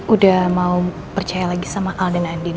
udah mau percaya lagi sama alden andin